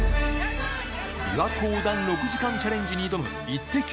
びわ湖横断６時間チャレンジに挑む、イッテＱ！